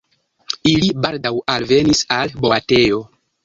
Ili baldaŭ alvenis al boatejo.